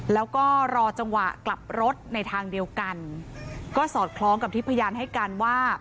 แล้วก็รอจังหวะกลับรถในทางเดียวกันก็สอดคล้องกับที่พยานให้การว่า